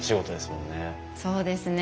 そうですね。